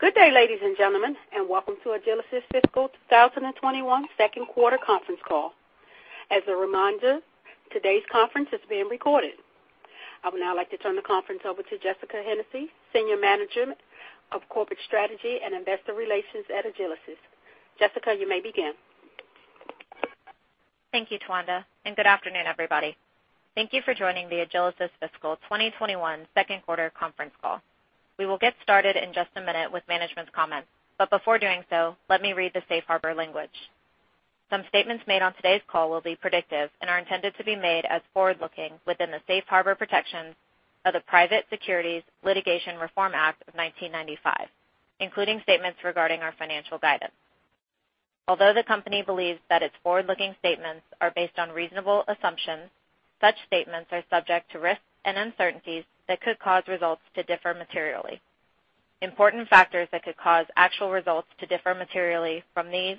Good day, ladies and gentlemen, and welcome to Agilysys fiscal 2021 second quarter conference call. As a reminder, today's conference is being recorded. I would now like to turn the conference over to Jessica Hennessy, Senior Manager of Corporate Strategy and Investor Relations at Agilysys. Jessica, you may begin. Thank you, Tuanda. Good afternoon, everybody. Thank you for joining the Agilysys Fiscal 2021 second quarter conference call. We will get started in just a minute with management's comments. Before doing so, let me read the Safe Harbor language. Some statements made on today's call will be predictive and are intended to be made as forward-looking within the Safe Harbor protections of the Private Securities Litigation Reform Act of 1995, including statements regarding our financial guidance. Although the company believes that its forward-looking statements are based on reasonable assumptions, such statements are subject to risks and uncertainties that could cause results to differ materially. Important factors that could cause actual results to differ materially from these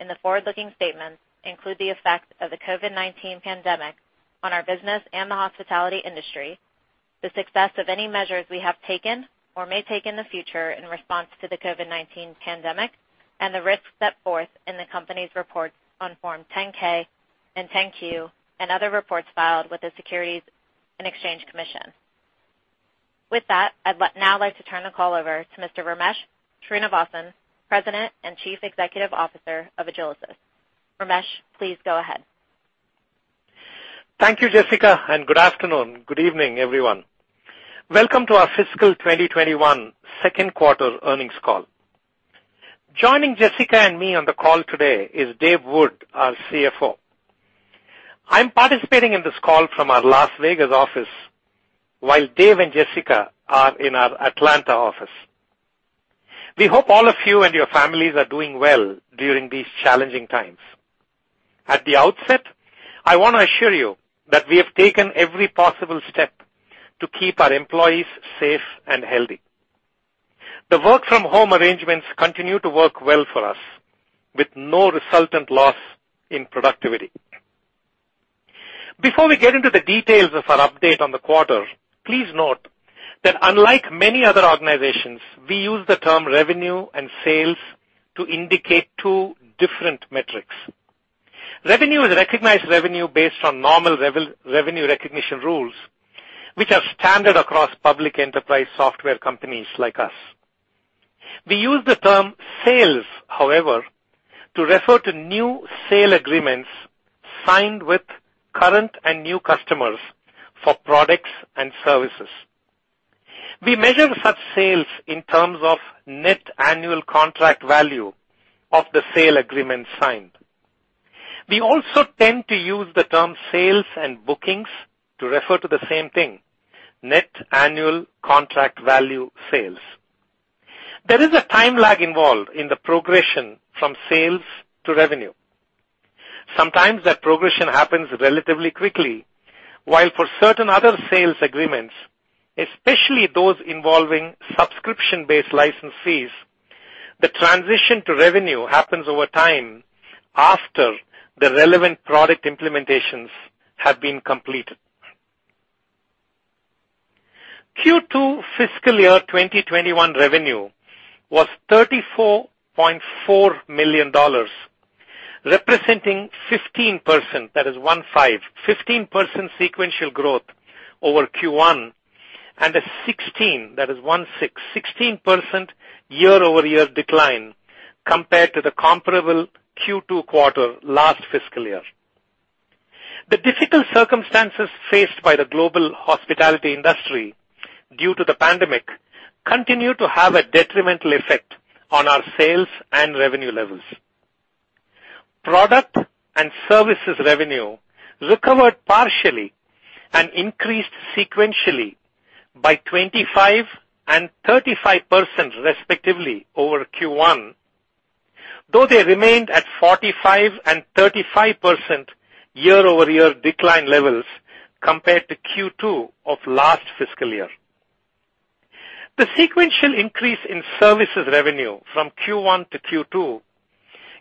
in the forward-looking statements include the effect of the COVID-19 pandemic on our business and the hospitality industry, the success of any measures we have taken or may take in the future in response to the COVID-19 pandemic, and the risks set forth in the company's reports on Form 10-K and 10-Q and other reports filed with the Securities and Exchange Commission. With that, I'd now like to turn the call over to Mr. Ramesh Srinivasan, President and Chief Executive Officer of Agilysys. Ramesh, please go ahead. Thank you, Jessica. Good afternoon. Good evening, everyone. Welcome to our fiscal 2021 second quarter earnings call. Joining Jessica and me on the call today is Dave Wood, our CFO. I'm participating in this call from our Las Vegas office, while Dave and Jessica are in our Atlanta office. We hope all of you and your families are doing well during these challenging times. At the outset, I want to assure you that we have taken every possible step to keep our employees safe and healthy. The work-from-home arrangements continue to work well for us with no resultant loss in productivity. Before we get into the details of our update on the quarter, please note that unlike many other organizations, we use the term revenue and sales to indicate two different metrics. Revenue is recognized revenue based on normal revenue recognition rules, which are standard across public enterprise software companies like us. We use the term sales, however, to refer to new sale agreements signed with current and new customers for products and services. We measure such sales in terms of net annual contract value of the sale agreement signed. We also tend to use the term sales and bookings to refer to the same thing, net annual contract value sales. There is a timeline involved in the progression from sales to revenue. Sometimes that progression happens relatively quickly, while for certain other sales agreements, especially those involving subscription-based license fees, the transition to revenue happens over time after the relevant product implementations have been completed. Q2 fiscal year 2021 revenue was $34.4 million, representing 15% sequential growth over Q1 and a 16% year-over-year decline compared to the comparable Q2 quarter last fiscal year. The difficult circumstances faced by the global hospitality industry due to the pandemic continue to have a detrimental effect on our sales and revenue levels. Product and services revenue recovered partially and increased sequentially by 25% and 35%, respectively, over Q1, though they remained at 45% and 35% year-over-year decline levels compared to Q2 of last fiscal year. The sequential increase in services revenue from Q1 to Q2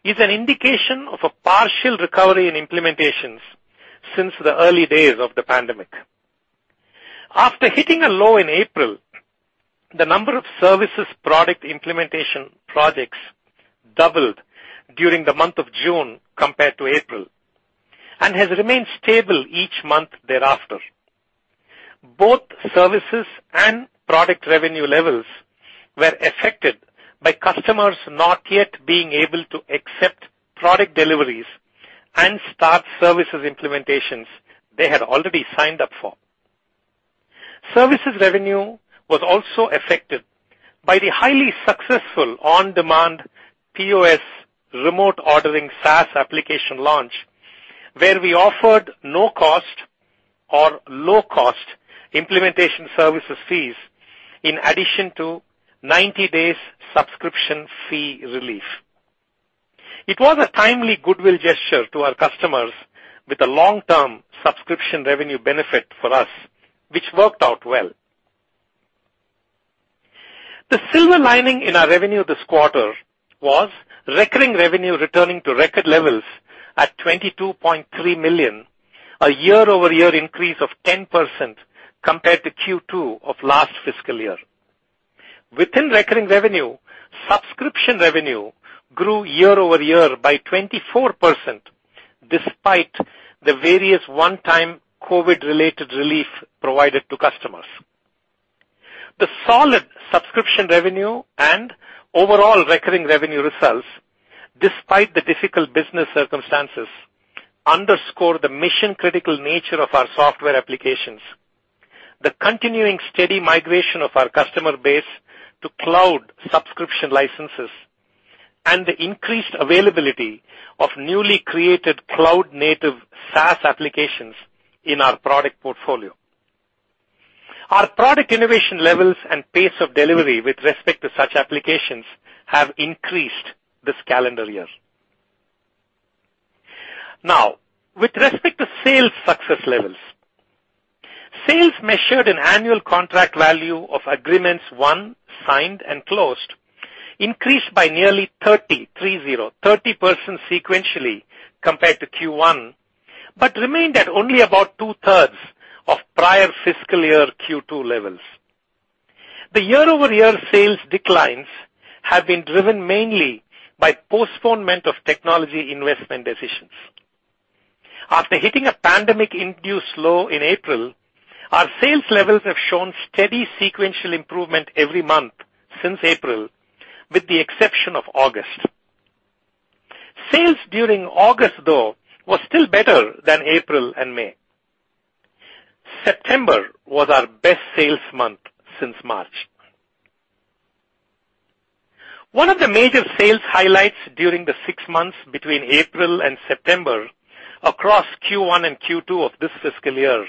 is an indication of a partial recovery in implementations since the early days of the pandemic. After hitting a low in April, the number of services product implementation projects doubled during the month of June compared to April, and has remained stable each month thereafter. Both services and product revenue levels were affected by customers not yet being able to accept product deliveries and start services implementations they had already signed up for. Services revenue was also affected by the highly successful on-demand POS remote ordering SaaS application launch, where we offered no cost or low cost implementation services fees in addition to 90 days subscription fee relief. It was a timely goodwill gesture to our customers with a long-term subscription revenue benefit for us, which worked out well. The silver lining in our revenue this quarter was recurring revenue returning to record levels at $22.3 million. A year-over-year increase of 10% compared to Q2 of last fiscal year. Within recurring revenue, subscription revenue grew year-over-year by 24%, despite the various one-time COVID-related relief provided to customers. The solid subscription revenue and overall recurring revenue results, despite the difficult business circumstances, underscore the mission-critical nature of our software applications, the continuing steady migration of our customer base to cloud subscription licenses, and the increased availability of newly created cloud-native SaaS applications in our product portfolio. Our product innovation levels and pace of delivery with respect to such applications have increased this calendar year. Now, with respect to sales success levels, sales measured in annual contract value of agreements won, signed, and closed increased by nearly 30% sequentially compared to Q1, but remained at only about 2/3 of prior fiscal year Q2 levels. The year-over-year sales declines have been driven mainly by postponement of technology investment decisions. After hitting a pandemic-induced low in April, our sales levels have shown steady sequential improvement every month since April, with the exception of August. Sales during August, though, were still better than April and May. September was our best sales month since March. One of the major sales highlights during the six months between April and September across Q1 and Q2 of this fiscal year,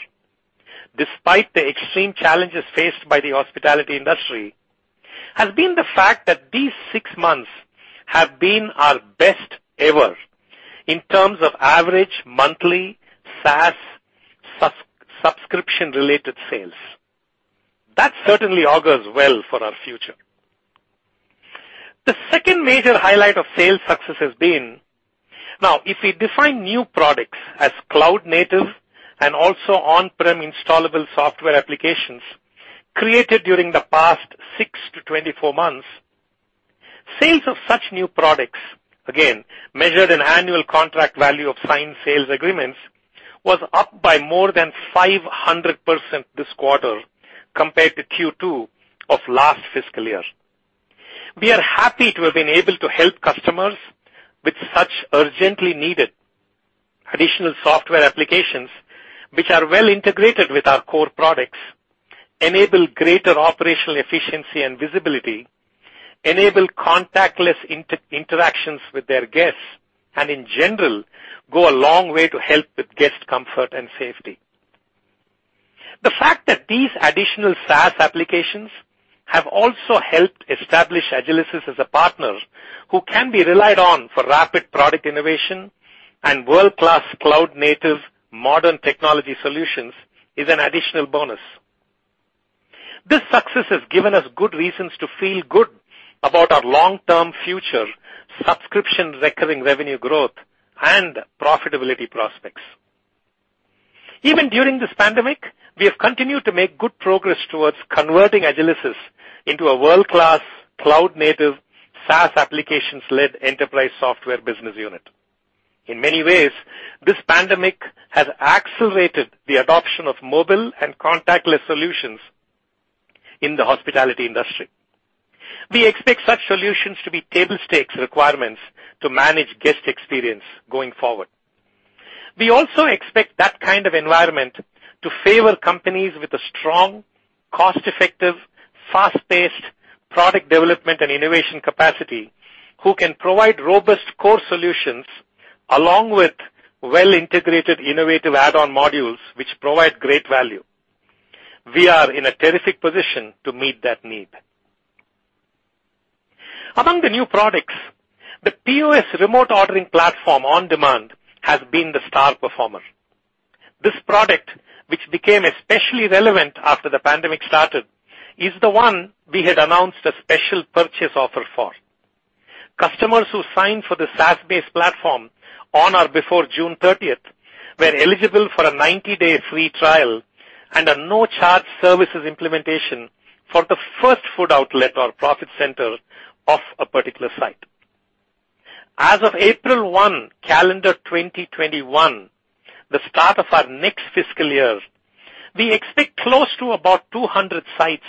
despite the extreme challenges faced by the hospitality industry, has been the fact that these six months have been our best ever in terms of average monthly SaaS subscription-related sales. That certainly augurs well for our future. The second major highlight of sales success has been, now, if we define new products as cloud-native and also on-prem installable software applications created during the past six-24 months, sales of such new products, again, measured in annual contract value of signed sales agreements, was up by more than 500% this quarter compared to Q2 of last fiscal year. We are happy to have been able to help customers with such urgently needed additional software applications, which are well integrated with our core products, enable greater operational efficiency and visibility, enable contactless interactions with their guests, and in general, go a long way to help with guest comfort and safety. The fact that these additional SaaS applications have also helped establish Agilysys as a partner who can be relied on for rapid product innovation and world-class cloud-native modern technology solutions is an additional bonus. This success has given us good reasons to feel good about our long-term future subscription recurring revenue growth and profitability prospects. Even during this pandemic, we have continued to make good progress towards converting Agilysys into a world-class cloud-native, SaaS applications-led enterprise software business unit. In many ways, this pandemic has accelerated the adoption of mobile and contactless solutions in the hospitality industry. We expect such solutions to be table stakes requirements to manage guest experience going forward. We also expect that kind of environment to favor companies with a strong, cost-effective, fast-paced product development and innovation capacity who can provide robust core solutions along with well-integrated, innovative add-on modules which provide great value. We are in a terrific position to meet that need. Among the new products, the POS remote ordering platform OnDemand has been the star performer. This product, which became especially relevant after the pandemic started, is the one we had announced a special purchase offer for. Customers who signed for the SaaS-based platform on or before June 30th were eligible for a 90-day free trial and a no-charge services implementation for the first food outlet or profit center of a particular site. As of April one, calendar 2021, the start of our next fiscal year, we expect close to about 200 sites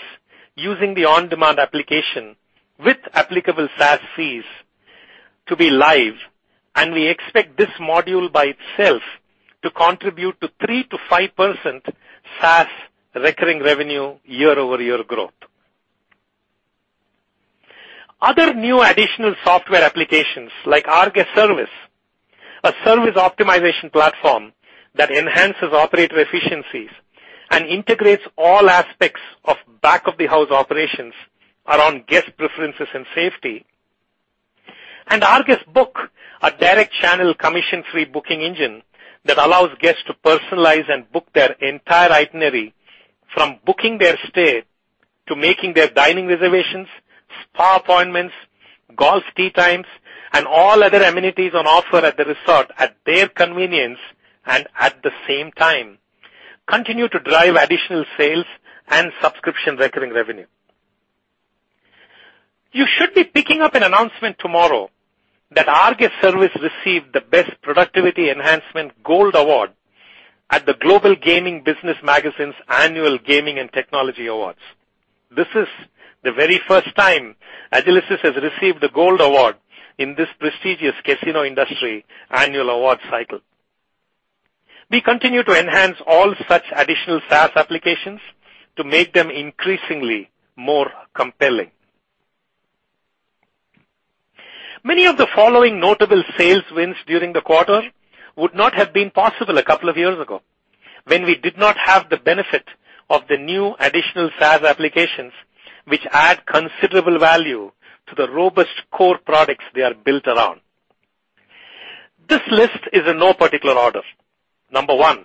using the OnDemand application with applicable SaaS fees to be live. We expect this module by itself to contribute to 3%-5% SaaS recurring revenue year-over-year growth. Other new additional software applications like rGuest Service, a service optimization platform that enhances operator efficiencies and integrates all aspects of back-of-the-house operations around guest preferences and safety, and rGuest Book, a direct channel commission-free booking engine that allows guests to personalize and book their entire itinerary from booking their stay to making their dining reservations, spa appointments, golf tee times, and all other amenities on offer at the resort at their convenience, and at the same time, continue to drive additional sales and subscription recurring revenue. You should be picking up an announcement tomorrow that our rGuest Service received the best productivity enhancement Gold Award at the Global Gaming Business Magazine's annual Gaming & Technology Awards. This is the very first time Agilysys has received the Gold Award in this prestigious casino industry annual award cycle. We continue to enhance all such additional SaaS applications to make them increasingly more compelling. Many of the following notable sales wins during the quarter would not have been possible a couple of years ago, when we did not have the benefit of the new additional SaaS applications, which add considerable value to the robust core products they are built around. This list is in no particular order. Number one,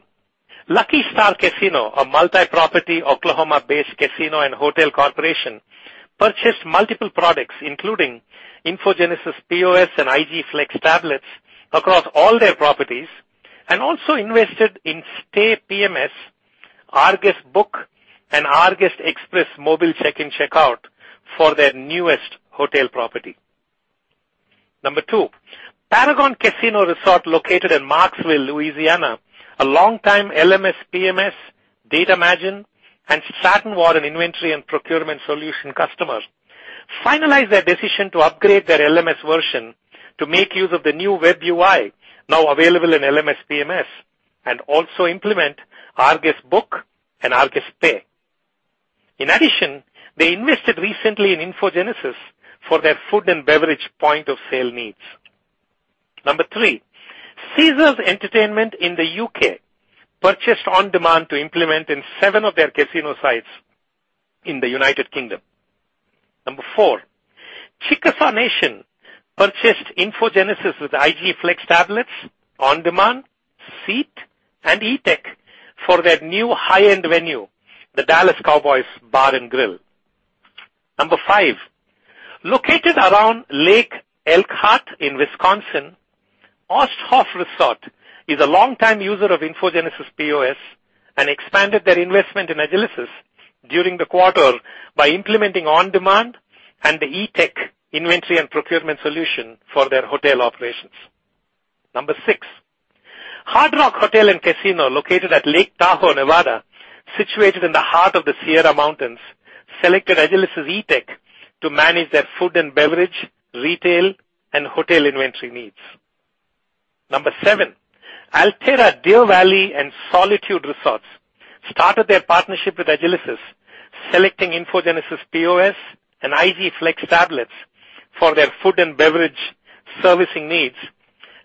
Lucky Star Casino, a multi-property Oklahoma-based casino and hotel corporation, purchased multiple products, including InfoGenesis POS and IG Flex tablets across all their properties, and also invested in Stay PMS, rGuest Book, and rGuest Express mobile check-in, check-out for their newest hotel property. Number two, Paragon Casino Resort, located in Marksville, Louisiana, a long time LMS PMS, DataMagine, and Stratton Warren Inventory and Procurement Solution customers, finalized their decision to upgrade their LMS version to make use of the new web UI now available in LMS PMS, and also implement rGuest Book and rGuest Pay. In addition, they invested recently in InfoGenesis for their food and beverage point of sale needs. Number three, Caesars Entertainment in the U.K. purchased IG OnDemand to implement in seven of their casino sites in the United Kingdom. Number four, Chickasaw Nation purchased InfoGenesis with IG Flex tablets, OnDemand, Seat, and Eatec for their new high-end venue, the Dallas Cowboys Bar and Grill. Number five, located around Elkhart Lake in Wisconsin, Osthoff Resort is a long-time user of InfoGenesis POS and expanded their investment in Agilysys during the quarter by implementing OnDemand and the Eatec Inventory and Procurement Solution for their hotel operations. Number six, Hard Rock Hotel & Casino, located at Lake Tahoe, Nevada, situated in the heart of the Sierra Mountains, selected Agilysys' Eatec to manage their food and beverage, retail, and hotel inventory needs. Number seven, Alterra Deer Valley and Solitude Resorts started their partnership with Agilysys, selecting InfoGenesis POS and IG Flex tablets for their food and beverage servicing needs,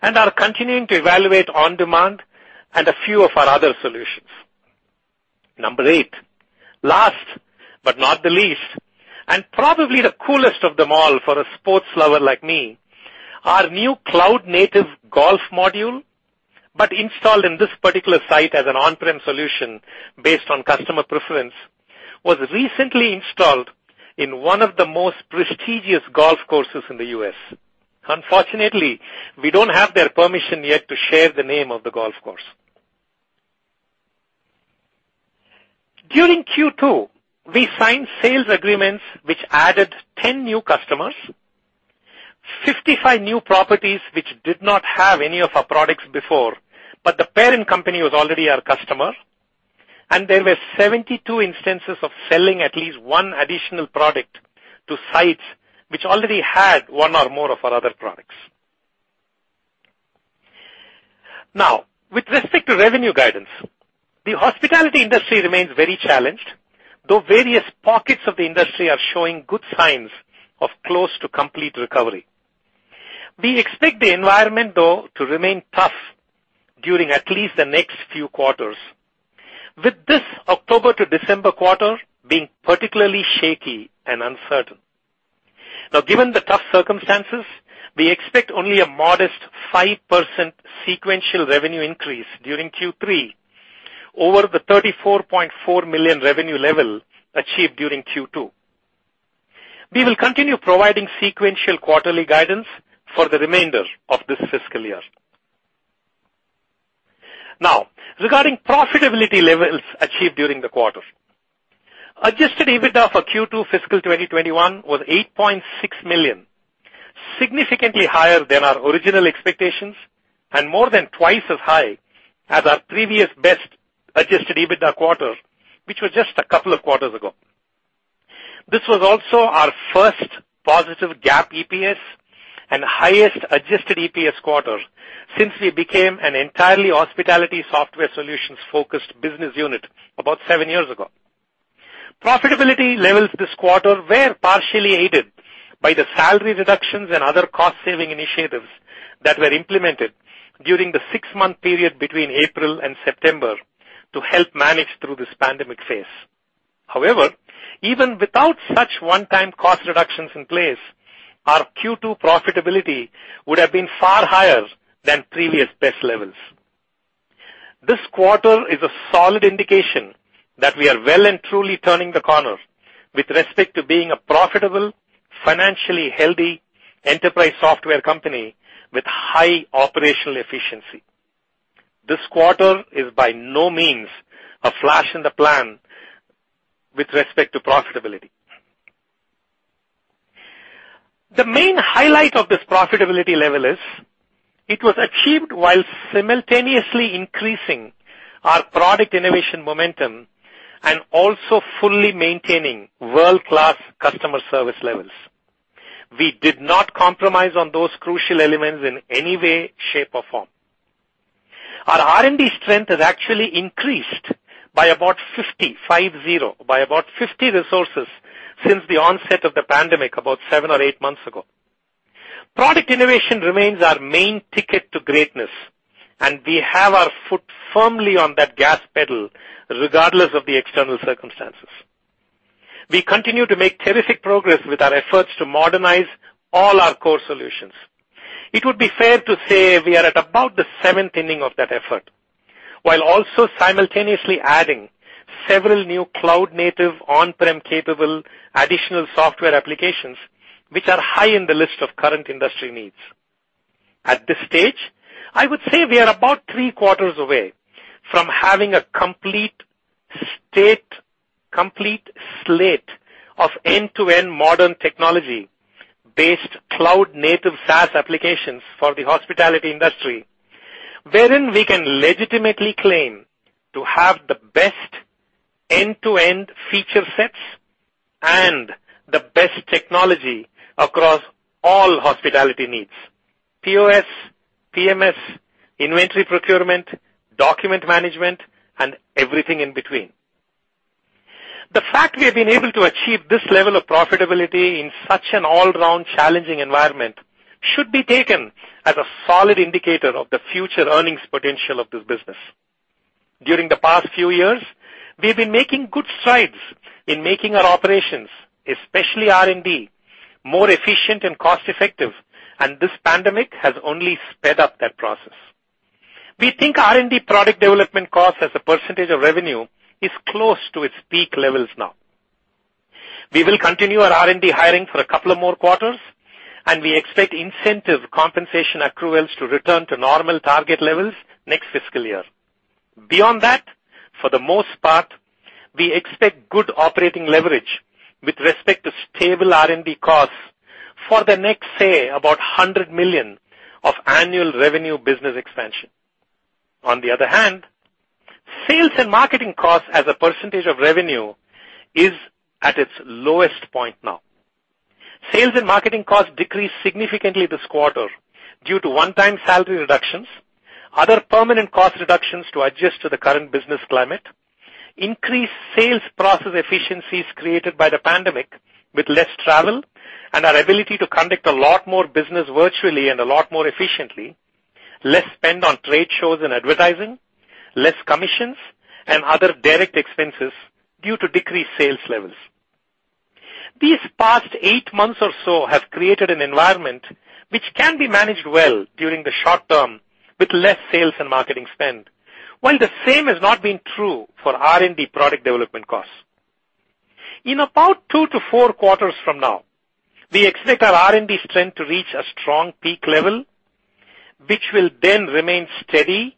and are continuing to evaluate OnDemand and a few of our other solutions. Number eight, last but not the least, probably the coolest of them all for a sports lover like me, our new cloud-native golf module, but installed in this particular site as an on-prem solution based on customer preference, was recently installed in one of the most prestigious golf courses in the U.S. Unfortunately, we don't have their permission yet to share the name of the golf course. During Q2, we signed sales agreements which added 10 new customers, 55 new properties which did not have any of our products before, the parent company was already our customer, there were 72 instances of selling at least one additional product to sites which already had one or more of our other products. With respect to revenue guidance, the hospitality industry remains very challenged, though various pockets of the industry are showing good signs of close to complete recovery. We expect the environment, though, to remain tough during at least the next few quarters, with this October to December quarter being particularly shaky and uncertain. Now, given the tough circumstances, we expect only a modest 5% sequential revenue increase during Q3 over the $34.4 million revenue level achieved during Q2. We will continue providing sequential quarterly guidance for the remainder of this fiscal year. Now, regarding profitability levels achieved during the quarter, adjusted EBITDA for Q2 fiscal 2021 was $8.6 million, significantly higher than our original expectations and more than twice as high as our previous best adjusted EBITDA quarter, which was just a couple of quarters ago. This was also our first positive GAAP EPS and highest adjusted EPS quarter since we became an entirely hospitality software solutions-focused business unit about seven years ago. Profitability levels this quarter were partially aided by the salary reductions and other cost-saving initiatives that were implemented during the six-month period between April and September to help manage through this pandemic phase. However, even without such one-time cost reductions in place, our Q2 profitability would have been far higher than previous best levels. This quarter is a solid indication that we are well and truly turning the corner with respect to being a profitable, financially healthy enterprise software company with high operational efficiency. This quarter is by no means a flash in the pan with respect to profitability. The main highlight of this profitability level is, it was achieved while simultaneously increasing our product innovation momentum and also fully maintaining world-class customer service levels. We did not compromise on those crucial elements in any way, shape, or form. Our R&D strength has actually increased by about 50, five, zero. By about 50 resources since the onset of the pandemic about seven or eight months ago. Product innovation remains our main ticket to greatness, and we have our foot firmly on that gas pedal regardless of the external circumstances. We continue to make terrific progress with our efforts to modernize all our core solutions. It would be fair to say we are at about the seventh inning of that effort, while also simultaneously adding several new cloud-native, on-prem capable additional software applications, which are high in the list of current industry needs. At this stage, I would say we are about three quarters away from having a complete slate of end-to-end modern technology-based cloud-native SaaS applications for the hospitality industry, wherein we can legitimately claim to have the best end-to-end feature sets and the best technology across all hospitality needs, POS, PMS, inventory procurement, document management, and everything in between. The fact we have been able to achieve this level of profitability in such an all-round challenging environment should be taken as a solid indicator of the future earnings potential of this business. During the past few years, we've been making good strides in making our operations, especially R&D, more efficient and cost-effective, and this pandemic has only sped up that process. We think R&D product development costs as a % of revenue is close to its peak levels now. We will continue our R&D hiring for a couple of more quarters, and we expect incentive compensation accruals to return to normal target levels next fiscal year. Beyond that, for the most part, we expect good operating leverage with respect to stable R&D costs for the next, say, about $100 million of annual revenue business expansion. On the other hand, sales and marketing costs as a percentage of revenue is at its lowest point now. Sales and marketing costs decreased significantly this quarter due to one-time salary reductions, other permanent cost reductions to adjust to the current business climate, increased sales process efficiencies created by the pandemic with less travel, and our ability to conduct a lot more business virtually and a lot more efficiently, less spend on trade shows and advertising, less commissions, and other direct expenses due to decreased sales levels. These past eight months or so have created an environment which can be managed well during the short-term with less sales and marketing spend, while the same has not been true for R&D product development costs. In about 2-4 quarters from now, we expect our R&D strength to reach a strong peak level, which will then remain steady,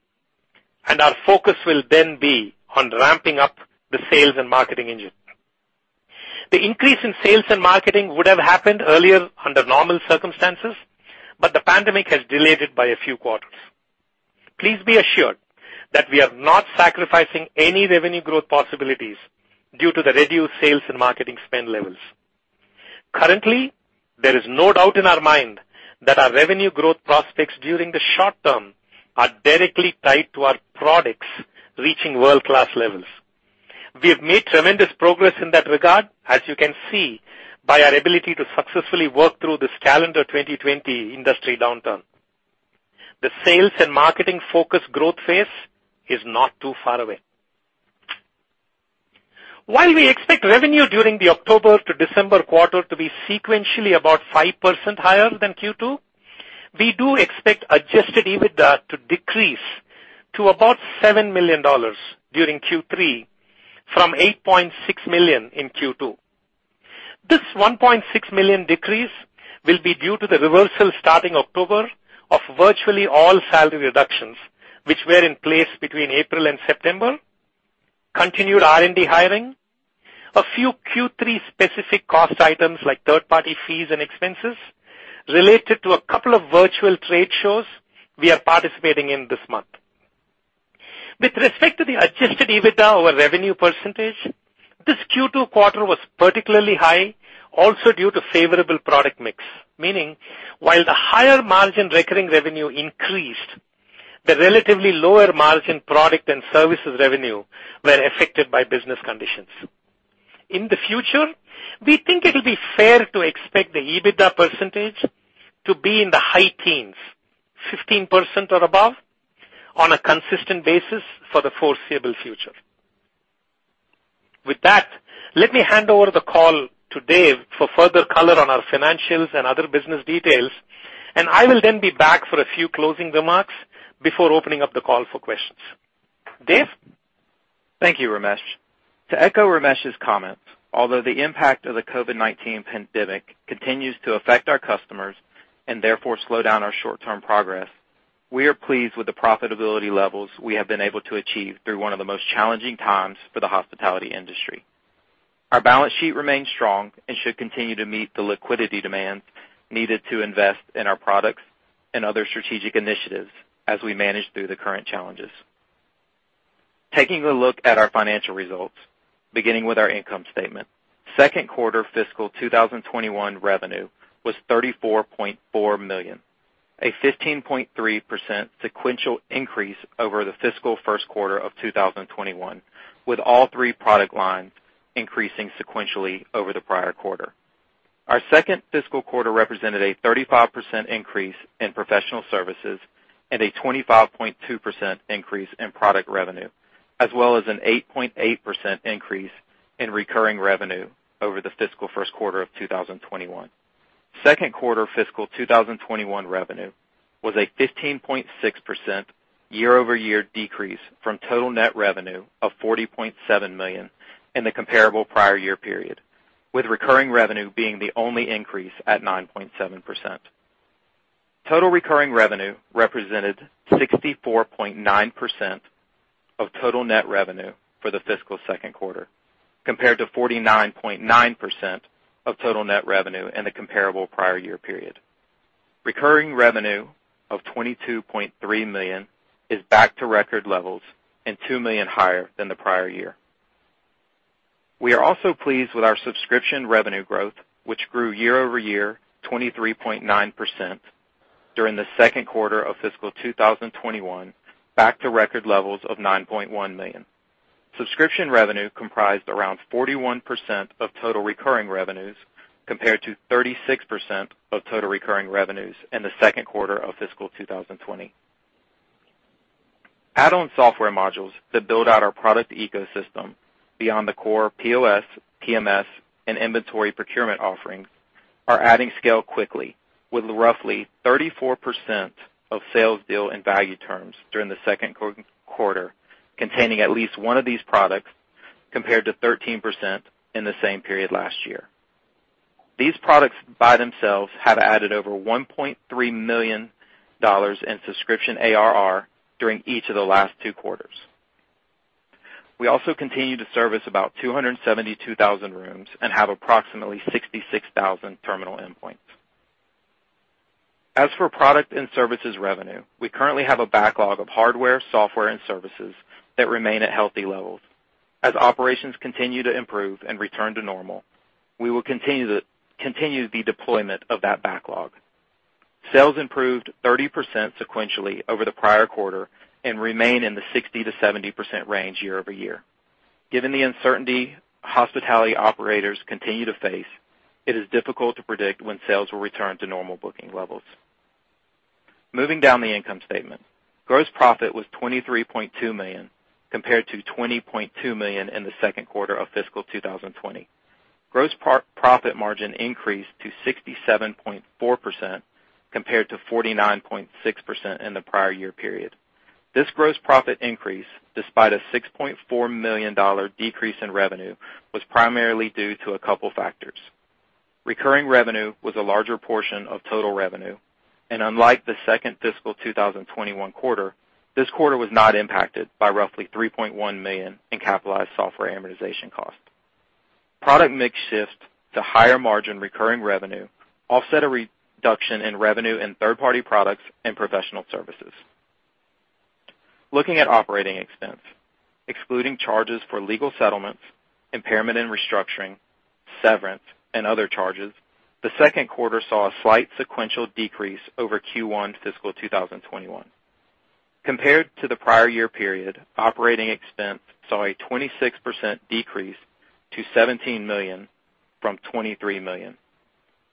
and our focus will then be on ramping up the sales and marketing engine. The increase in sales and marketing would have happened earlier under normal circumstances, but the pandemic has delayed it by a few quarters. Please be assured that we are not sacrificing any revenue growth possibilities due to the reduced sales and marketing spend levels. Currently, there is no doubt in our mind that our revenue growth prospects during the short-term are directly tied to our products reaching world-class levels. We have made tremendous progress in that regard, as you can see, by our ability to successfully work through this calendar 2020 industry downturn. The sales and marketing focus growth phase is not too far away. While we expect revenue during the October to December quarter to be sequentially about 5% higher than Q2, we do expect adjusted EBITDA to decrease to about $7 million during Q3 from $8.6 million in Q2. This $1.6 million decrease will be due to the reversal starting October of virtually all salary reductions which were in place between April and September, continued R&D hiring, a few Q3 specific cost items like third-party fees and expenses related to a couple of virtual trade shows we are participating in this month. With respect to the adjusted EBITDA over revenue percentage, this Q2 quarter was particularly high also due to favorable product mix, meaning while the higher margin recurring revenue increased, the relatively lower margin product and services revenue were affected by business conditions. In the future, we think it will be fair to expect the EBITDA percentage to be in the high teens, 15% or above, on a consistent basis for the foreseeable future. With that, let me hand over the call to Dave for further color on our financials and other business details, and I will then be back for a few closing remarks before opening up the call for questions. Dave? Thank you, Ramesh. To echo Ramesh's comments, although the impact of the COVID-19 pandemic continues to affect our customers, and therefore slow down our short-term progress, we are pleased with the profitability levels we have been able to achieve through one of the most challenging times for the hospitality industry. Our balance sheet remains strong and should continue to meet the liquidity demands needed to invest in our products and other strategic initiatives as we manage through the current challenges. Taking a look at our financial results, beginning with our income statement. Second quarter fiscal 2021 revenue was $34.4 million, a 15.3% sequential increase over the fiscal first quarter of 2021, with all three product lines increasing sequentially over the prior quarter. Our second fiscal quarter represented a 35% increase in professional services and a 25.2% increase in product revenue, as well as an 8.8% increase in recurring revenue over the fiscal first quarter of 2021. Second quarter fiscal 2021 revenue was a 15.6% year-over-year decrease from total net revenue of $40.7 million in the comparable prior year period, with recurring revenue being the only increase at 9.7%. Total recurring revenue represented 64.9% of total net revenue for the fiscal second quarter, compared to 49.9% of total net revenue in the comparable prior year period. Recurring revenue of $22.3 million is back to record levels and $2 million higher than the prior year. We are also pleased with our subscription revenue growth, which grew year-over-year 23.9% during the second quarter of fiscal 2021, back to record levels of $9.1 million. Subscription revenue comprised around 41% of total recurring revenues, compared to 36% of total recurring revenues in the second quarter of fiscal 2020. Add-on software modules that build out our product ecosystem beyond the core POS, PMS, and inventory procurement offerings are adding scale quickly, with roughly 34% of sales deal in value terms during the second quarter, containing at least one of these products, compared to 13% in the same period last year. These products by themselves have added over $1.3 million in subscription ARR during each of the last two quarters. We also continue to service about 272,000 rooms and have approximately 66,000 terminal endpoints. As for product and services revenue, we currently have a backlog of hardware, software, and services that remain at healthy levels. As operations continue to improve and return to normal, we will continue the deployment of that backlog. Sales improved 30% sequentially over the prior quarter and remain in the 60%-70% range year-over-year. Given the uncertainty hospitality operators continue to face, it is difficult to predict when sales will return to normal booking levels. Moving down the income statement. Gross profit was $23.2 million, compared to $20.2 million in the second quarter of fiscal 2020. Gross profit margin increased to 67.4% compared to 49.6% in the prior year period. This gross profit increase, despite a $6.4 million decrease in revenue, was primarily due to a couple factors. Recurring revenue was a larger portion of total revenue, and unlike the second fiscal 2021 quarter, this quarter was not impacted by roughly $3.1 million in capitalized software amortization cost. Product mix shift to higher margin recurring revenue offset a reduction in revenue in third-party products and professional services. Looking at operating expense. Excluding charges for legal settlements, impairment and restructuring, severance, and other charges, the second quarter saw a slight sequential decrease over Q1 fiscal 2021. Compared to the prior year period, operating expense saw a 26% decrease to $17 million from $23 million.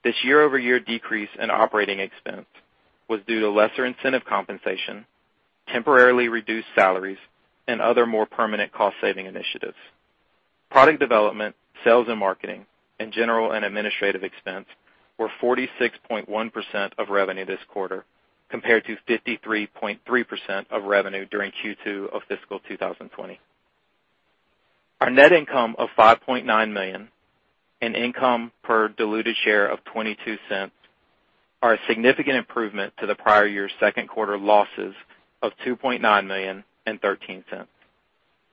This year-over-year decrease in operating expense was due to lesser incentive compensation, temporarily reduced salaries, and other more permanent cost-saving initiatives. Product development, sales and marketing, and general and administrative expense were 46.1% of revenue this quarter, compared to 53.3% of revenue during Q2 of fiscal 2020. Our net income of $5.9 million and income per diluted share of $0.22 are a significant improvement to the prior year's second quarter losses of $2.9 million and $0.13.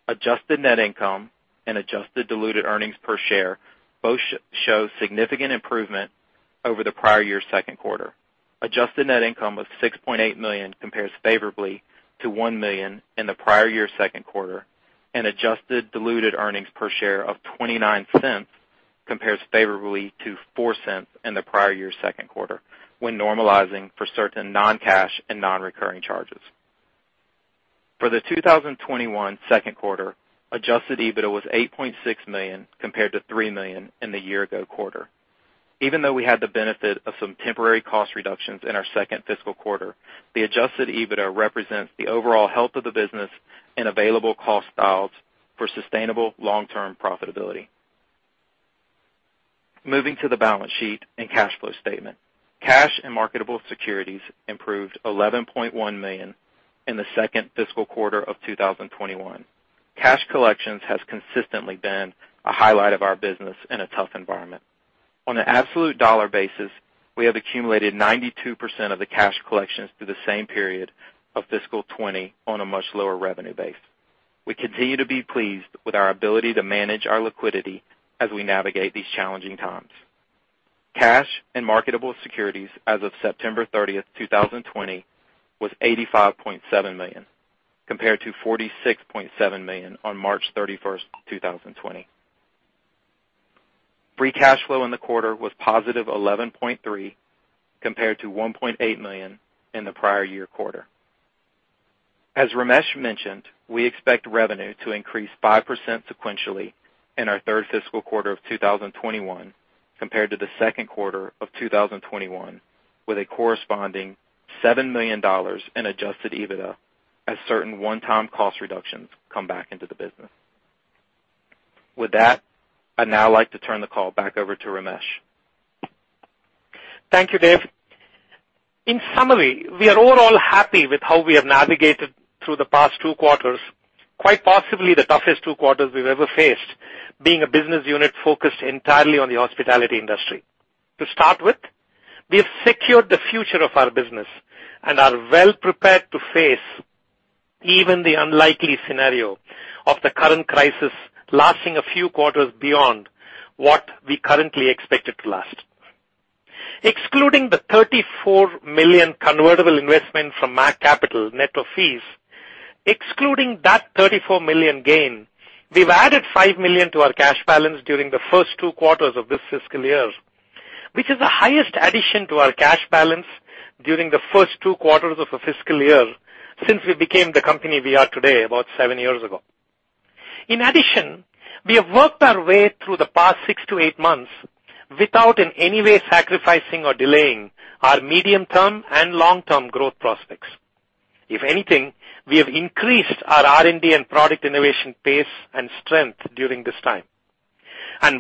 Adjusted net income and adjusted diluted earnings per share both show significant improvement over the prior year's second quarter. Adjusted net income of $6.8 million compares favorably to $1 million in the prior year's second quarter, and adjusted diluted earnings per share of $0.29 compares favorably to $0.04 in the prior year's second quarter, when normalizing for certain non-cash and non-recurring charges. For the 2021 second quarter, adjusted EBITDA was $8.6 million compared to $3 million in the year ago quarter. Even though we had the benefit of some temporary cost reductions in our second fiscal quarter, the adjusted EBITDA represents the overall health of the business and available cost dials for sustainable long-term profitability. Moving to the balance sheet and cash flow statement. Cash and marketable securities improved $11.1 million in the second fiscal quarter of 2021. Cash collections has consistently been a highlight of our business in a tough environment. On an absolute dollar basis, we have accumulated 92% of the cash collections through the same period of fiscal 2020 on a much lower revenue base. We continue to be pleased with our ability to manage our liquidity as we navigate these challenging times. Cash and marketable securities as of September 30th, 2020, was $85.7 million, compared to $46.7 million on March 31st, 2020. Free cash flow in the quarter was +$11.3, compared to $1.8 million in the prior year quarter. As Ramesh mentioned, we expect revenue to increase 5% sequentially in our third fiscal quarter of 2021 compared to the second quarter of 2021, with a corresponding $7 million in adjusted EBITDA as certain one-time cost reductions come back into the business. With that, I'd now like to turn the call back over to Ramesh. Thank you, Dave. In summary, we are overall happy with how we have navigated through the past two quarters, quite possibly the toughest two quarters we've ever faced, being a business unit focused entirely on the hospitality industry. To start with, we have secured the future of our business and are well prepared to face even the unlikely scenario of the current crisis lasting a few quarters beyond what we currently expect it to last. Excluding the $34 million convertible investment from MAK Capital, net of fees, excluding that $34 million gain, we've added $5 million to our cash balance during the first two quarters of this fiscal year, which is the highest addition to our cash balance during the first two quarters of a fiscal year since we became the company we are today, about seven years ago. In addition, we have worked our way through the past 6-8 months without in any way sacrificing or delaying our medium-term and long-term growth prospects. If anything, we have increased our R&D and product innovation pace and strength during this time.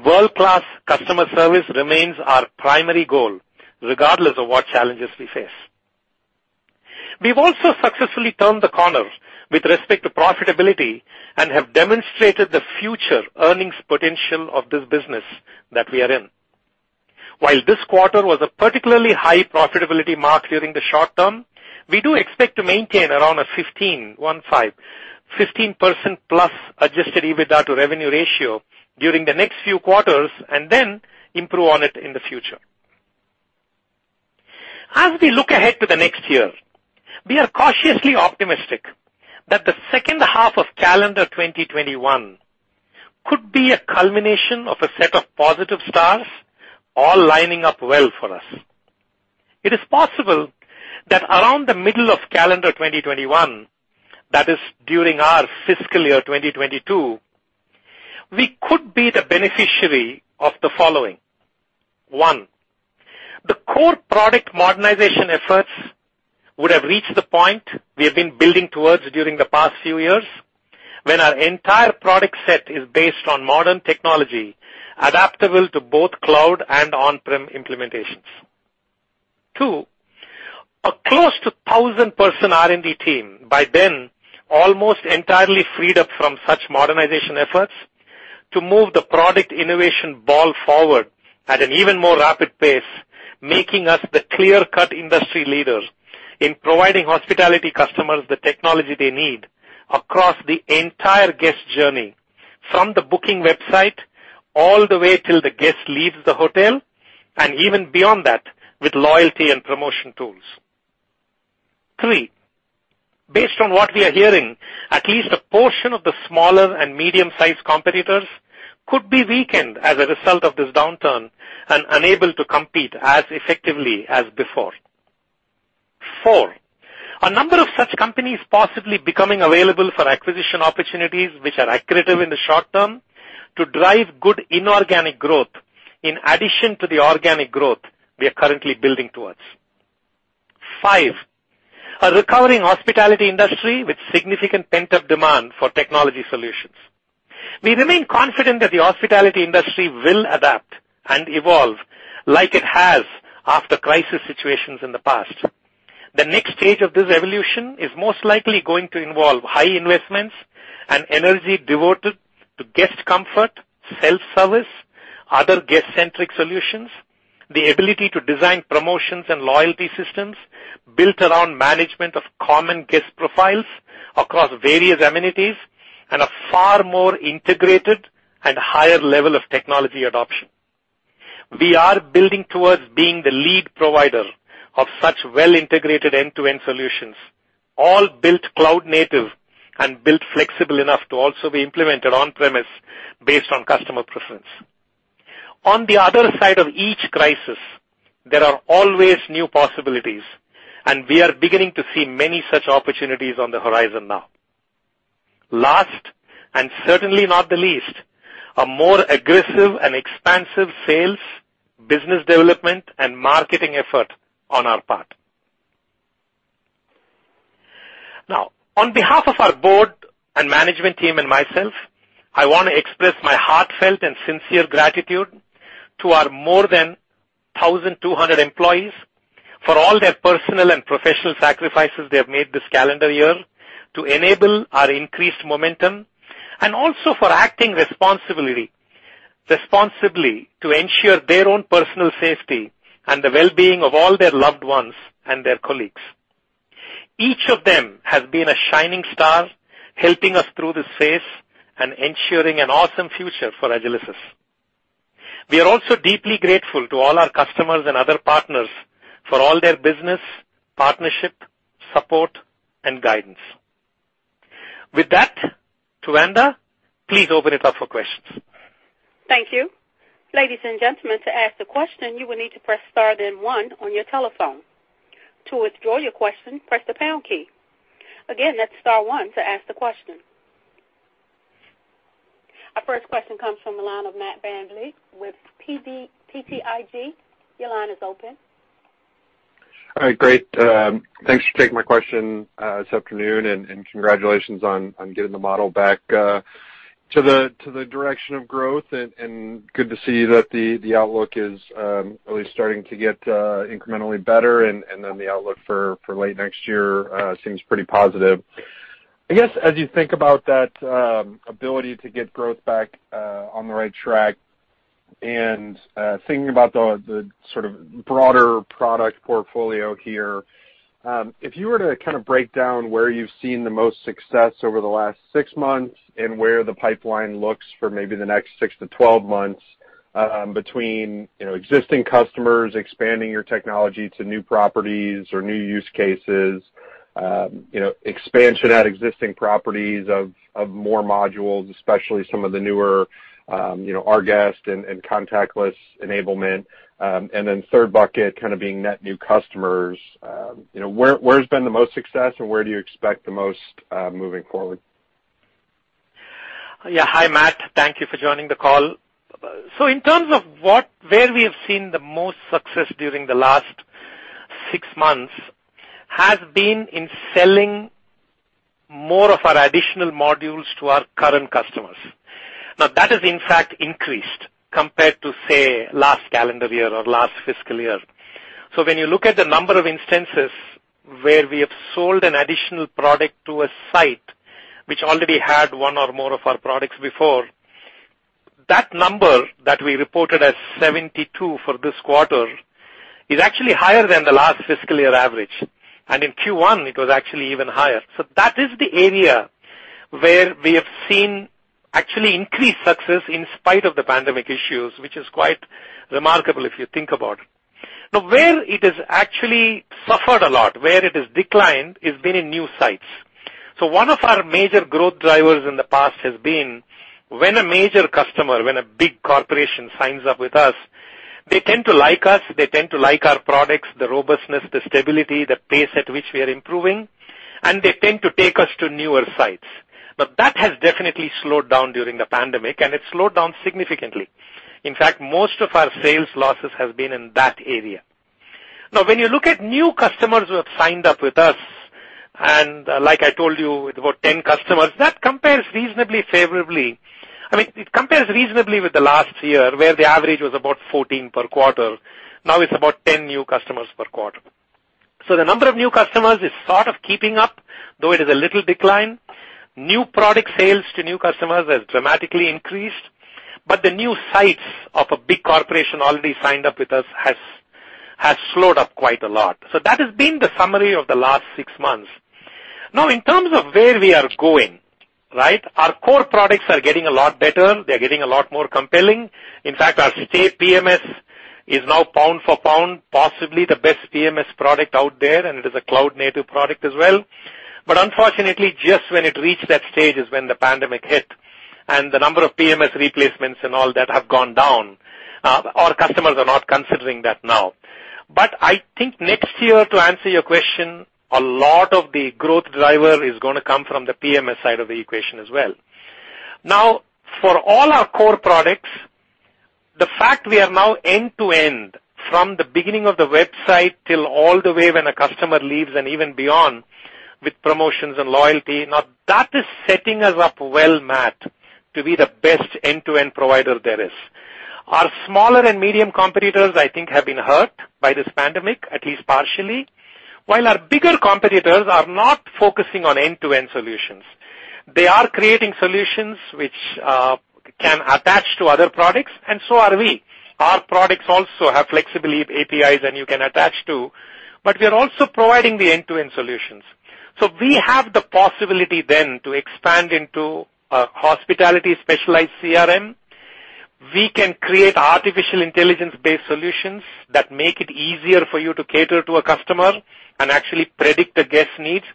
World-class customer service remains our primary goal, regardless of what challenges we face. We've also successfully turned the corner with respect to profitability and have demonstrated the future earnings potential of this business that we are in. While this quarter was a particularly high profitability mark during the short term, we do expect to maintain around a 15%+ adjusted EBITDA to revenue ratio during the next few quarters, and then improve on it in the future. As we look ahead to the next year, we are cautiously optimistic that the second half of calendar 2021 could be a culmination of a set of positive stars all lining up well for us. It is possible that around the middle of calendar 2021, that is during our fiscal year 2022, we could be the beneficiary of the following. One, the core product modernization efforts would have reached the point we have been building towards during the past few years, when our entire product set is based on modern technology, adaptable to both cloud and on-prem implementations. Two, a close to 1,000 person R&D team, by then almost entirely freed up from such modernization efforts to move the product innovation ball forward at an even more rapid pace, making us the clear-cut industry leader in providing hospitality customers the technology they need across the entire guest journey, from the booking website, all the way till the guest leaves the hotel, and even beyond that, with loyalty and promotion tools. Three, based on what we are hearing, at least a portion of the smaller and medium-sized competitors could be weakened as a result of this downturn and unable to compete as effectively as before. Four, a number of such companies possibly becoming available for acquisition opportunities which are accretive in the short-term to drive good inorganic growth in addition to the organic growth we are currently building towards. Five, a recovering hospitality industry with significant pent-up demand for technology solutions. We remain confident that the hospitality industry will adapt and evolve like it has after crisis situations in the past. The next stage of this evolution is most likely going to involve high investments and energy devoted to guest comfort, self-service, other guest-centric solutions, the ability to design promotions and loyalty systems built around management of common guest profiles across various amenities, and a far more integrated and higher level of technology adoption. We are building towards being the lead provider of such well-integrated end-to-end solutions, all built cloud-native and built flexible enough to also be implemented on-premise based on customer preference. On the other side of each crisis, there are always new possibilities, and we are beginning to see many such opportunities on the horizon now. Last, and certainly not the least, a more aggressive and expansive sales, business development, and marketing effort on our part. Now, on behalf of our board and management team and myself, I want to express my heartfelt and sincere gratitude to our more than 1,200 employees for all their personal and professional sacrifices they have made this calendar year to enable our increased momentum, and also for acting responsibly to ensure their own personal safety and the well-being of all their loved ones and their colleagues. Each of them has been a shining star, helping us through this phase and ensuring an awesome future for Agilysys. We are also deeply grateful to all our customers and other partners for all their business, partnership, support, and guidance. With that, Tuanda, please open it up for questions. Thank you, ladies and gentlemen, to ask the question, you will need to press star then one on your telephone. To withdraw your question, press the pound key. Again that's star one to ask a question. Our first question comes from the line of Matt VanVliet with BTIG. Your line is open. All right, great. Thanks for taking my question this afternoon, and congratulations on getting the model back to the direction of growth, and good to see that the outlook is at least starting to get incrementally better, and then the outlook for late next year seems pretty positive. I guess, as you think about that ability to get growth back on the right track and thinking about the broader product portfolio here, if you were to break down where you've seen the most success over the last six months and where the pipeline looks for maybe the next 6-12 months, between existing customers, expanding your technology to new properties or new use cases, expansion at existing properties of more modules, especially some of the newer rGuest and contactless enablement, and then third bucket kind of being net new customers. Where's been the most success and where do you expect the most moving forward? Hi, Matt. Thank you for joining the call. In terms of where we have seen the most success during the last six months has been in selling more of our additional modules to our current customers. That has in fact increased compared to, say, last calendar year or last fiscal year. When you look at the number of instances where we have sold an additional product to a site which already had one or more of our products before, that number that we reported as 72 for this quarter is actually higher than the last fiscal year average. In Q1, it was actually even higher. That is the area where we have seen actually increased success in spite of the pandemic issues, which is quite remarkable if you think about. Where it has actually suffered a lot, where it has declined, has been in new sites. One of our major growth drivers in the past has been when a major customer, when a big corporation signs up with us, they tend to like us, they tend to like our products, the robustness, the stability, the pace at which we are improving, and they tend to take us to newer sites. That has definitely slowed down during the pandemic, and it slowed down significantly. In fact, most of our sales losses have been in that area. When you look at new customers who have signed up with us, and like I told you, with about 10 customers, that compares reasonably favorably. I mean, it compares reasonably with the last year, where the average was about 14 per quarter. It's about 10 new customers per quarter. The number of new customers is sort of keeping up, though it is a little decline. New product sales to new customers has dramatically increased, but the new sites of a big corporation already signed up with us has slowed up quite a lot. That has been the summary of the last six months. In terms of where we are going, our core products are getting a lot better. They're getting a lot more compelling. In fact, our Stay PMS is now pound for pound, possibly the best PMS product out there, and it is a cloud-native product as well. Unfortunately, just when it reached that stage is when the pandemic hit and the number of PMS replacements and all that have gone down. Our customers are not considering that now. I think next year, to answer your question, a lot of the growth driver is going to come from the PMS side of the equation as well. For all our core products, the fact we are now end-to-end from the beginning of the website till all the way when a customer leaves and even beyond with promotions and loyalty, that is setting us up well, Matt, to be the best end-to-end provider there is. Our smaller and medium competitors, I think, have been hurt by this pandemic, at least partially, while our bigger competitors are not focusing on end-to-end solutions. They are creating solutions which can attach to other products, so are we. Our products also have flexibility, APIs, and you can attach to, we are also providing the end-to-end solutions. We have the possibility then to expand into a hospitality-specialized CRM. We can create artificial intelligence-based solutions that make it easier for you to cater to a customer and actually predict a guest needs.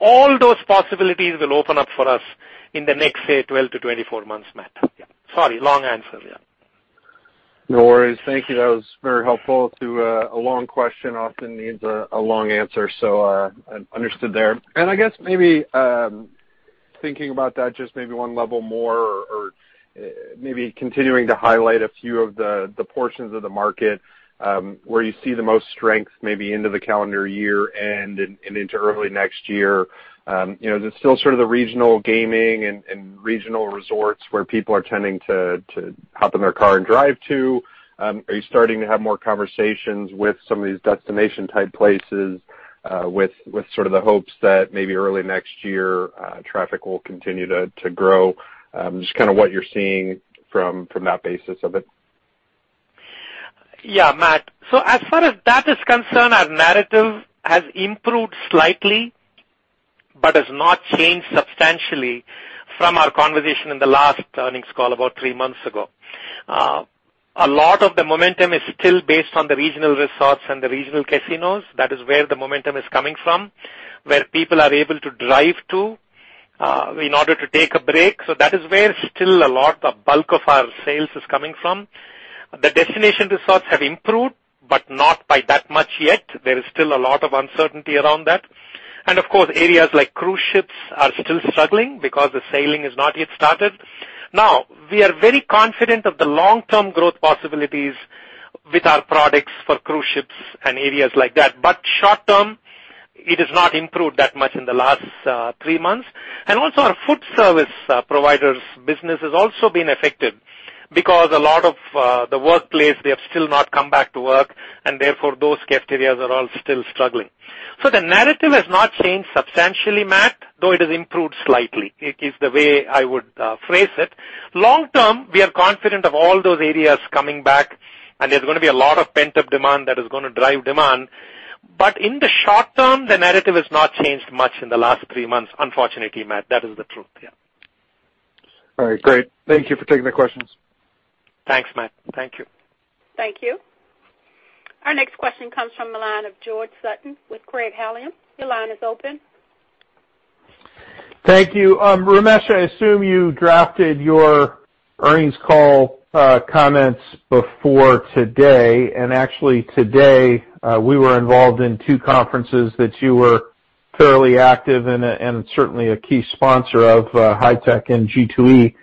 All those possibilities will open up for us in the next, say, 12-24 months, Matt. Yeah. Sorry, long answer. Yeah. No worries. Thank you. That was very helpful. A long question often needs a long answer, understood there. I guess maybe thinking about that just maybe one level more or maybe continuing to highlight a few of the portions of the market, where you see the most strength, maybe into the calendar year and into early next year. Is it still sort of the regional gaming and regional resorts where people are tending to hop in their car and drive to? Are you starting to have more conversations with some of these destination-type places, with sort of the hopes that maybe early next year, traffic will continue to grow? Just kind of what you're seeing from that basis of it? Yeah, Matt. As far as that is concerned, our narrative has improved slightly, but has not changed substantially from our conversation in the last earnings call about three months ago. A lot of the momentum is still based on the regional resorts and the regional casinos. That is where the momentum is coming from, where people are able to drive to in order to take a break. That is where still a lot of bulk of our sales is coming from. The destination resorts have improved, but not by that much yet. There is still a lot of uncertainty around that. Of course, areas like cruise ships are still struggling because the sailing has not yet started. We are very confident of the long-term growth possibilities with our products for cruise ships and areas like that. Short-term, it has not improved that much in the last three months. Also, our food service providers business has also been affected because a lot of the workplace, they have still not come back to work, and therefore, those cafeterias are all still struggling. The narrative has not changed substantially, Matt, though it has improved slightly. It is the way I would phrase it. Long-term, we are confident of all those areas coming back, and there's going to be a lot of pent-up demand that is going to drive demand. In the short-term, the narrative has not changed much in the last three months, unfortunately, Matt. That is the truth, yeah. All right, great. Thank you for taking the questions. Thanks, Matt. Thank you. Thank you. Our next question comes from the line of George Sutton with Craig-Hallum. Your line is open. Thank you. Ramesh, I assume you drafted your earnings call comments before today, and actually today, we were involved in two conferences that you were fairly active in and certainly a key sponsor of, HITEC and G2E.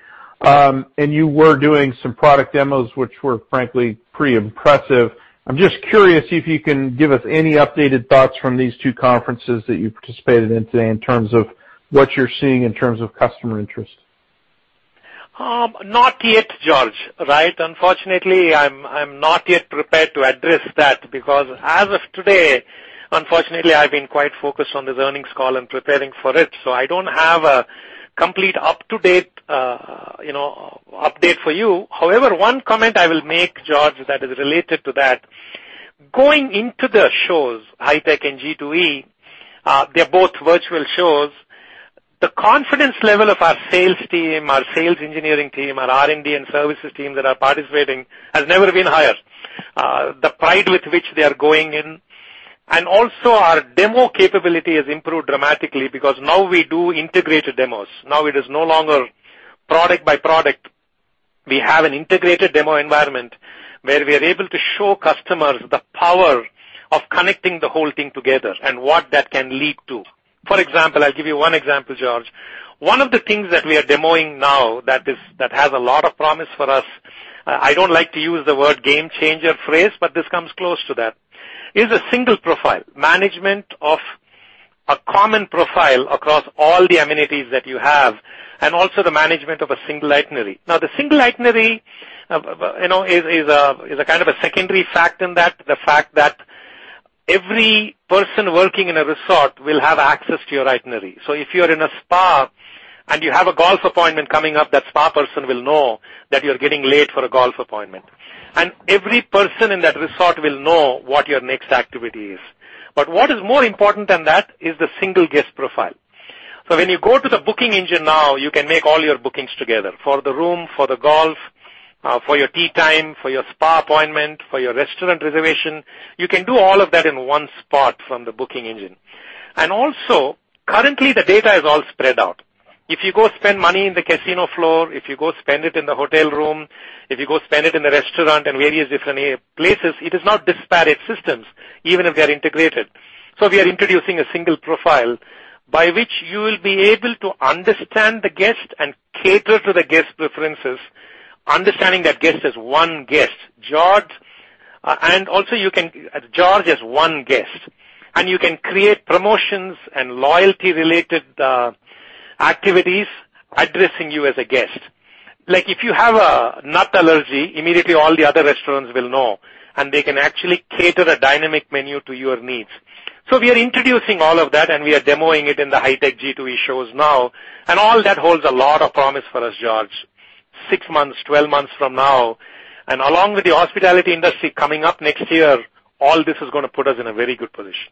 You were doing some product demos, which were frankly pretty impressive. I'm just curious if you can give us any updated thoughts from these two conferences that you participated in today in terms of what you're seeing in terms of customer interest. Not yet, George. Unfortunately, I'm not yet prepared to address that because as of today, unfortunately, I've been quite focused on this earnings call and preparing for it. I don't have a complete up-to-date update for you. However, one comment I will make, George, that is related to that. Going into the shows, HITEC and G2E, they're both virtual shows. The confidence level of our sales team, our sales engineering team, our R&D and services team that are participating has never been higher. The pride with which they are going in, and also our demo capability has improved dramatically because now we do integrated demos. Now it is no longer product by product. We have an integrated demo environment where we are able to show customers the power of connecting the whole thing together and what that can lead to. For example, I'll give you one example, George. One of the things that we are demoing now that has a lot of promise for us, I don't like to use the word game changer phrase, but this comes close to that, is a single profile. Management of a common profile across all the amenities that you have, also the management of a single itinerary. The single itinerary is a kind of a secondary fact in that, the fact that every person working in a resort will have access to your itinerary. If you're in a spa and you have a golf appointment coming up, that spa person will know that you're getting late for a golf appointment. Every person in that resort will know what your next activity is. What is more important than that is the single guest profile. When you go to the booking engine now, you can make all your bookings together. For the room, for the golf, for your tee time, for your spa appointment, for your restaurant reservation. You can do all of that in one spot from the booking engine. Also, currently, the data is all spread out. If you go spend money in the casino floor, if you go spend it in the hotel room, if you go spend it in the restaurant and various different places, it is not disparate systems, even if they are integrated. We are introducing a single profile by which you will be able to understand the guest and cater to the guest preferences, understanding that guest as one guest. George as one guest. You can create promotions and loyalty-related activities addressing you as a guest. Like if you have a nut allergy, immediately all the other restaurants will know, and they can actually cater a dynamic menu to your needs. We are introducing all of that, and we are demoing it in the HITEC G2E shows now, and all that holds a lot of promise for us, George. Six months, 12 months from now, and along with the hospitality industry coming up next year, all this is going to put us in a very good position.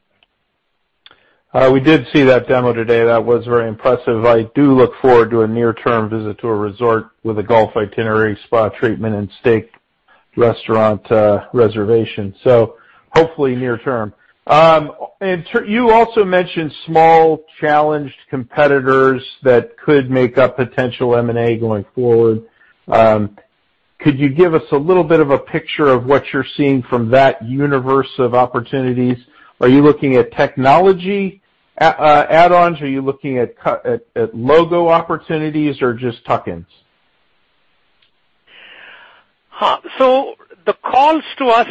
We did see that demo today. That was very impressive. I do look forward to a near-term visit to a resort with a golf itinerary, spa treatment, and steak restaurant reservation. Hopefully near term. You also mentioned small challenged competitors that could make up potential M&A going forward. Could you give us a little bit of a picture of what you're seeing from that universe of opportunities? Are you looking at technology add-ons? Are you looking at logo opportunities or just tuck-ins? The calls to us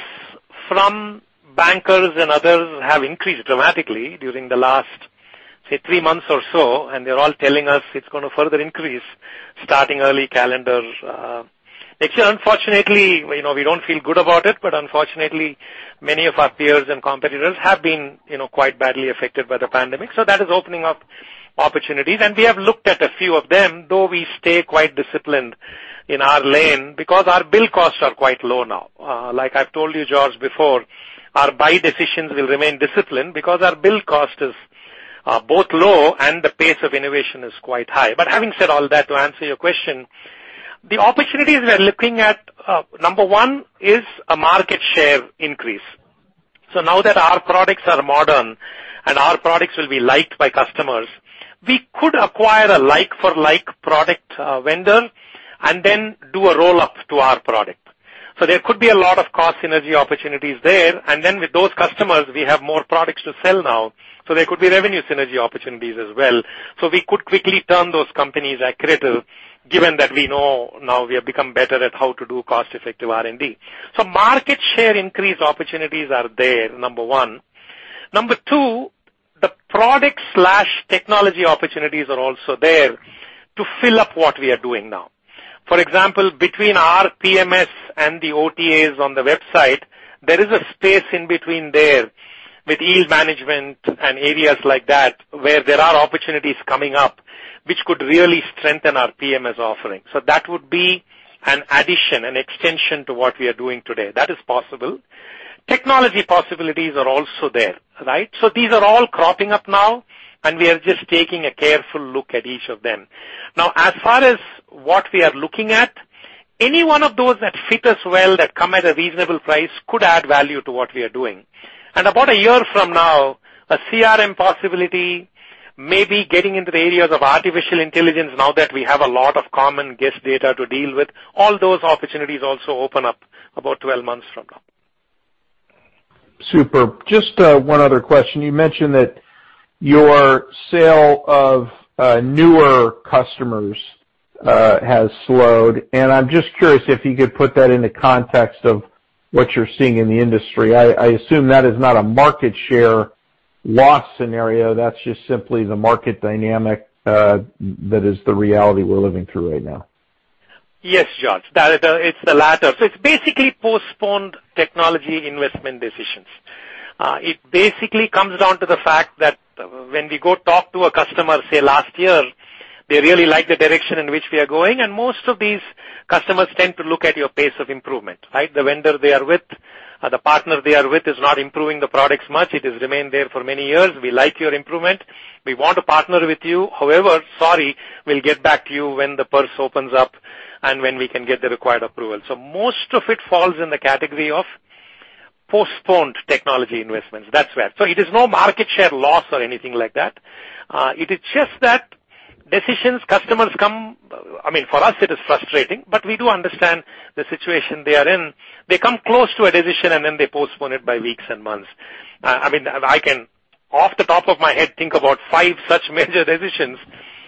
from bankers and others have increased dramatically during the last, say, three months or so, and they're all telling us it's going to further increase starting early calendar. Actually, unfortunately, we don't feel good about it, but unfortunately, many of our peers and competitors have been quite badly affected by the pandemic. That is opening up opportunities. We have looked at a few of them, though we stay quite disciplined in our lane because our build costs are quite low now. Like I've told you, George, before, our buy decisions will remain disciplined because our build cost is both low and the pace of innovation is quite high. Having said all that, to answer your question, the opportunities we are looking at, number one is a market share increase. Now that our products are modern and our products will be liked by customers, we could acquire a like-for-like product vendor and then do a roll-up to our product. There could be a lot of cost synergy opportunities there, and then with those customers, we have more products to sell now, so there could be revenue synergy opportunities as well. We could quickly turn those companies accretive, given that we know now we have become better at how to do cost effective R&D. Market share increase opportunities are there, number one. Number two, the product/technology opportunities are also there to fill up what we are doing now. For example, between our PMS and the OTAs on the website, there is a space in between there with yield management and areas like that where there are opportunities coming up which could really strengthen our PMS offering. That would be an addition, an extension to what we are doing today. That is possible. Technology possibilities are also there, right? These are all cropping up now and we are just taking a careful look at each of them. Now, as far as what we are looking at, any one of those that fit us well, that come at a reasonable price, could add value to what we are doing. About a year from now, a CRM possibility may be getting into the areas of artificial intelligence now that we have a lot of common guest data to deal with. All those opportunities also open up about 12 months from now. Superb. Just one other question. You mentioned that your sale of newer customers has slowed. I'm just curious if you could put that into context of what you're seeing in the industry. I assume that is not a market share loss scenario. That's just simply the market dynamic that is the reality we're living through right now. Yes, George, it's the latter. It's basically postponed technology investment decisions. It basically comes down to the fact that when we go talk to a customer, say last year, they really like the direction in which we are going, and most of these customers tend to look at your pace of improvement, right? The vendor they are with or the partner they are with is not improving the products much. It has remained there for many years. We like your improvement. We want to partner with you. However, sorry, we'll get back to you when the purse opens up and when we can get the required approval. Most of it falls in the category of postponed technology investments. That's where. It is no market share loss or anything like that. It is just that decisions. I mean, for us it is frustrating, but we do understand the situation they are in. They come close to a decision, then they postpone it by weeks and months. I can, off the top of my head, think about five such major decisions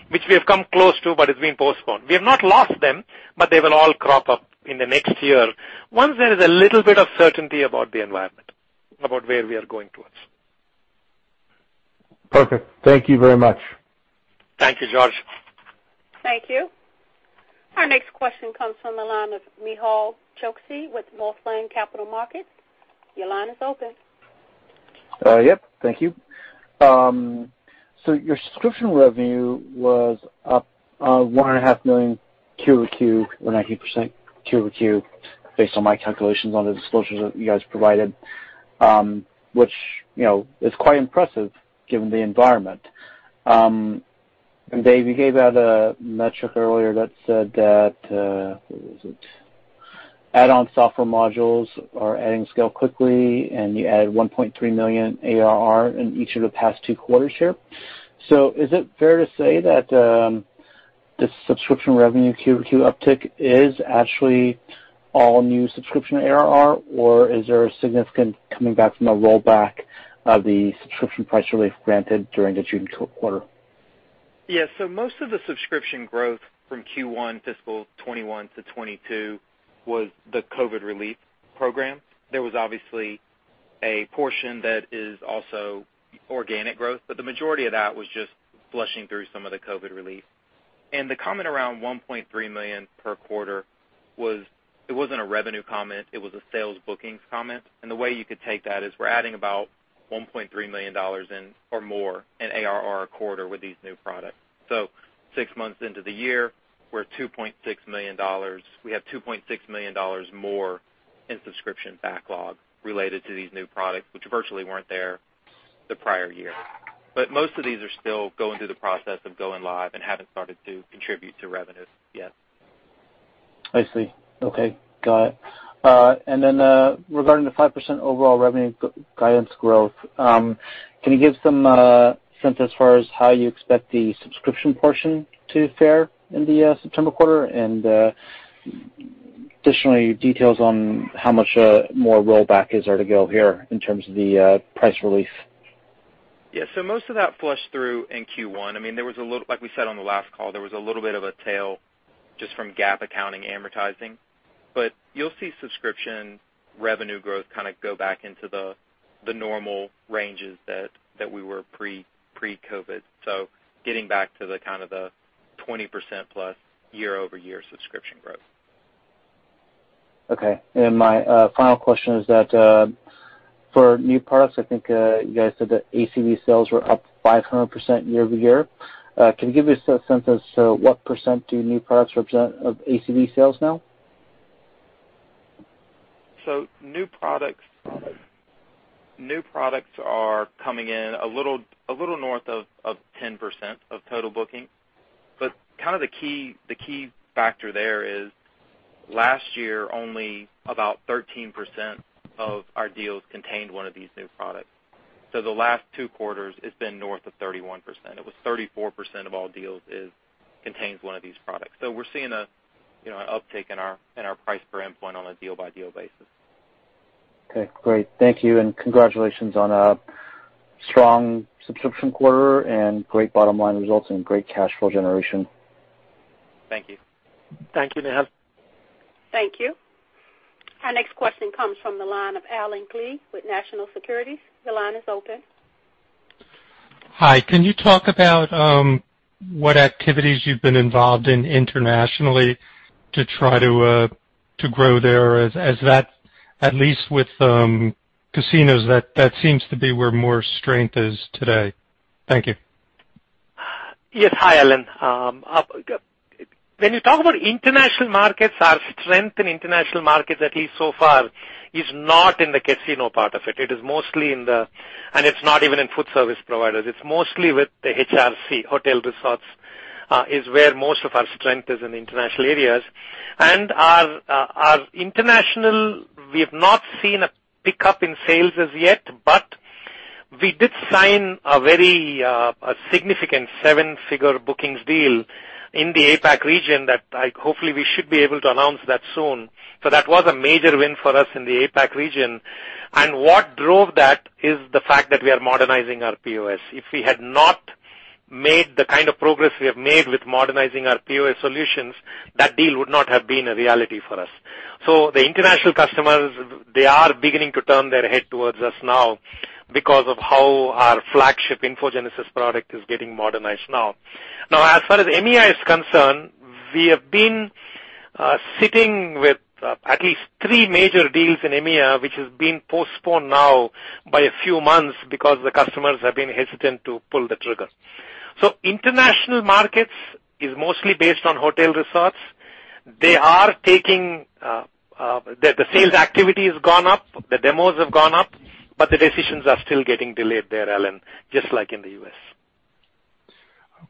which we have come close to, but it's been postponed. We have not lost them, but they will all crop up in the next year once there is a little bit of certainty about the environment, about where we are going towards. Perfect. Thank you very much. Thank you, George. Thank you. Our next question comes from the line of Nehal Chokshi with Northland Capital Markets. Your line is open. Yep. Thank you. Your subscription revenue was up $1.5 million quarter-over-quarter or 19% quarter-over-quarter based on my calculations on the disclosures that you guys provided, which is quite impressive given the environment. Dave, you gave out a metric earlier that said where was it? Add-on software modules are adding scale quickly, and you added $1.3 million ARR in each of the past two quarters here. Is it fair to say that this subscription revenue Q2 uptick is actually all new subscription ARR, or is there a significant coming back from the rollback of the subscription price relief granted during the June quarter? Yeah. Most of the subscription growth from Q1 fiscal 2021-2022 was the COVID relief program. There was obviously a portion that is also organic growth, but the majority of that was just flushing through some of the COVID relief. The comment around $1.3 million per quarter, it wasn't a revenue comment, it was a sales bookings comment. The way you could take that is we're adding about $1.3 million in or more in ARR a quarter with these new products. Six months into the year, we have $2.6 million more in subscription backlog related to these new products, which virtually weren't there the prior year. Most of these are still going through the process of going live and haven't started to contribute to revenues yet. I see. Okay, got it. Regarding the 5% overall revenue guidance growth, can you give some sense as far as how you expect the subscription portion to fare in the September quarter? Additionally, details on how much more rollback is there to go here in terms of the price relief? Most of that flushed through in Q1. Like we said on the last call, there was a little bit of a tail just from GAAP accounting amortizing. You'll see subscription revenue growth kind of go back into the normal ranges that we were pre-COVID. Getting back to the kind of the 20%+ year-over-year subscription growth. Okay. My final question is that, for new products, I think you guys said that ACV sales were up 500% year-over-year. Can you give us a sense as to what percent do new products represent of ACV sales now? New products are coming in a little north of 10% of total booking. Kind of the key factor there is last year, only about 13% of our deals contained one of these new products. The last two quarters, it's been north of 31%. It was 34% of all deals contains one of these products. We're seeing an uptick in our price per endpoint on a deal-by-deal basis. Okay, great. Thank you. Congratulations on a strong subscription quarter and great bottom-line results and great cash flow generation. Thank you. Thank you, Nehal. Thank you. Our next question comes from the line of Allen Klee with National Securities. Your line is open. Hi. Can you talk about what activities you've been involved in internationally to try to grow there, as that, at least with casinos, that seems to be where more strength is today. Thank you. Yes. Hi, Allen. When you talk about international markets, our strength in international markets, at least so far, is not in the casino part of it. It's not even in food service providers. It's mostly with the HRC, hotel resorts, is where most of our strength is in international areas. Our international, we have not seen a pickup in sales as yet, but we did sign a very significant seven-figure bookings deal in the APAC region that, hopefully, we should be able to announce that soon. That was a major win for us in the APAC region, and what drove that is the fact that we are modernizing our POS. If we had not made the kind of progress we have made with modernizing our POS solutions, that deal would not have been a reality for us. The international customers, they are beginning to turn their head towards us now because of how our flagship InfoGenesis product is getting modernized now. As far as EMEA is concerned, we have been sitting with at least three major deals in EMEA, which has been postponed now by a few months because the customers have been hesitant to pull the trigger. International markets is mostly based on hotel resorts. The sales activity has gone up, the demos have gone up, but the decisions are still getting delayed there, Allen, just like in the U.S.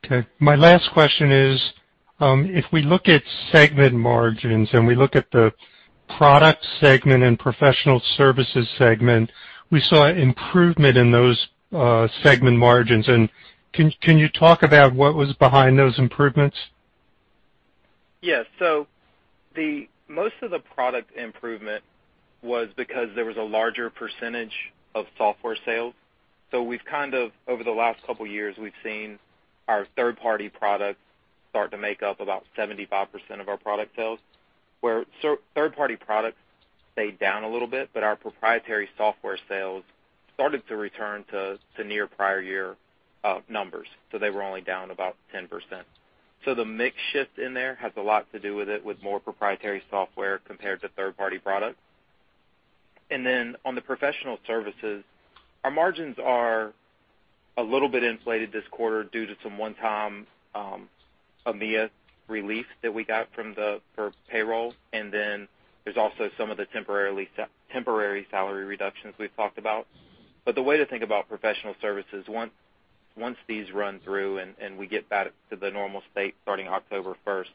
Okay. My last question is, if we look at segment margins and we look at the product segment and professional services segment, we saw improvement in those segment margins. Can you talk about what was behind those improvements? Yes. Most of the product improvement was because there was a larger percentage of software sales. Over the last couple years, we've seen our third-party products start to make up about 75% of our product sales, where third-party products stayed down a little bit, but our proprietary software sales started to return to near prior year numbers. They were only down about 10%. The mix shift in there has a lot to do with it, with more proprietary software compared to third-party products. On the professional services, our margins are a little bit inflated this quarter due to some one-time EMEA relief that we got for payroll, and then there's also some of the temporary salary reductions we've talked about. The way to think about professional services, once these run through and we get back to the normal state starting October 1st,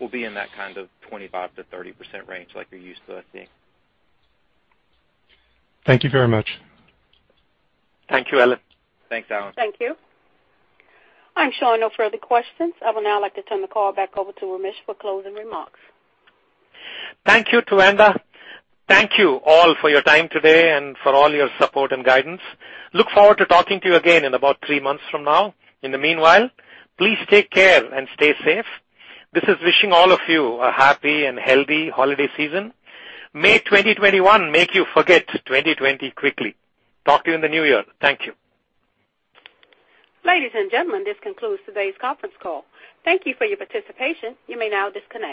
we'll be in that kind of 25%-30% range like you're used to seeing. Thank you very much. Thank you, Allen. Thanks, Allen. Thank you. I'm showing no further questions. I would now like to turn the call back over to Ramesh for closing remarks. Thank you, Tuanda. Thank you all for your time today and for all your support and guidance. Look forward to talking to you again in about three months from now. In the meanwhile, please take care and stay safe. This is wishing all of you a happy and healthy holiday season. May 2021 make you forget 2020 quickly. Talk to you in the new year. Thank you. Ladies and gentlemen, this concludes today's conference call. Thank you for your participation. You may now disconnect.